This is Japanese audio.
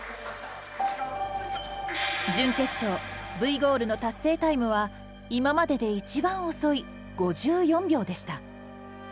準決勝Ｖゴールの達成タイムは今までで一番遅い５４秒でした。